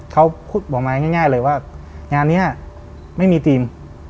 เขาพูดบอกมาง่ายเลยว่างานนี้ไม่มีทีม